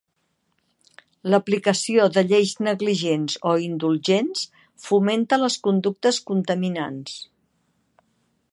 L'aplicació de lleis negligents o indulgents fomenta les conductes contaminants.